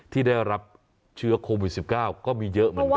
ที่ได้รับเชื้อโควิด๑๙ก็มีเยอะเหมือนกัน